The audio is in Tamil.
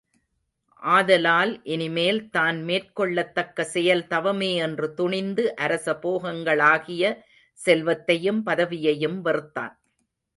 ஆதலால், இனிமேல் தான் மேற்கொள்ளத் தக்க செயல் தவமே என்று துணிந்து அரச போகங்களாகிய செல்வத்தையும் பதவியையும் வெறுத்தான்.